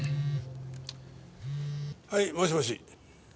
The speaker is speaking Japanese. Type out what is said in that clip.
はいもしもし。